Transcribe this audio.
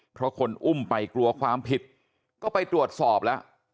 เพราะคนอุ้มไปกลัวความผิดก็ไปตรวจสอบแล้ว